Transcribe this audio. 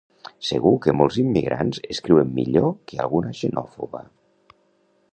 Segur que molts immigrants escriuen millor que alguna xenòfoba